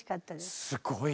すごい！